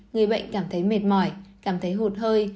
người bệnh cảm thấy mệt mỏi cảm thấy hụt hơi